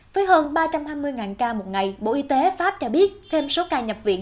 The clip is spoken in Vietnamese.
với hơn ba trăm hai mươi ca một ngày bộ y tế pháp cho biết thêm số ca nhập viện